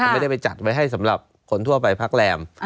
ไม่ได้ไปจัดไว้ให้สำหรับคนทั่วไปพักแรม